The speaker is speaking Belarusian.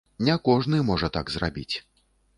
Не кожны можа так зрабіць.